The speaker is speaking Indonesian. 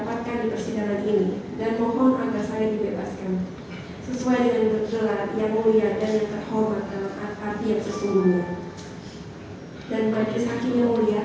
pada awal persidangan jujur saya merasa takut kalau majelis hakim akan mengaksupi hakimi saya